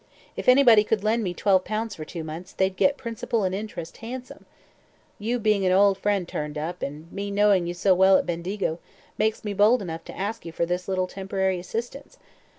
If anybody could lend me twelve pounds for two months, they'd get principal and interest handsome. You being an old friend turned up, and me knowing you so well at Bendigo, makes me bold enough to ask you for this little temporary assistance.